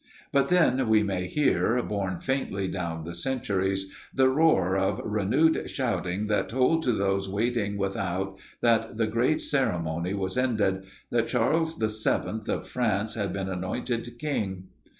But then we may hear, borne faintly down the centuries, the roar of renewed shouting that told to those waiting without that the great ceremony was ended, that Charles VII of France had been annointed king.